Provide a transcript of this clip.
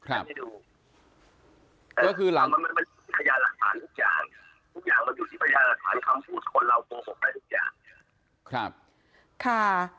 ทุกอย่างมันอยู่ที่บริการภายลักษณะคำพูดคนเรามโทรผลายุทธาษณ์